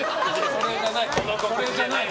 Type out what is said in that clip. それじゃない！